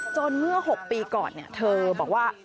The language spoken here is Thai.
เมื่อ๖ปีก่อนเธอบอกว่า